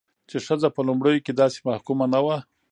چې ښځه په لومړيو کې داسې محکومه نه وه،